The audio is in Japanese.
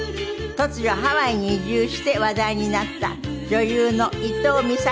突如ハワイに移住して話題になった女優の伊東美咲さんです。